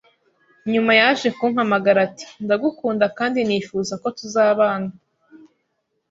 nyuma yaje kumpamagara ati: "ndagukunda kandi nifuza ko tuzabana